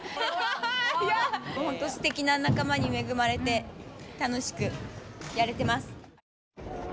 すてきな仲間に恵まれて楽しくやれてます。